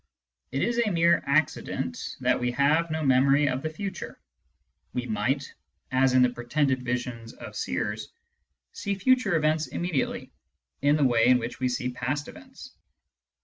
It is a mere accident that we have no memory of the future. We might — as in the pretended visions of seers — see future events immediately, in the way in which we see past events.